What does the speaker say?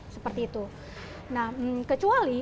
seperti itu nah kecuali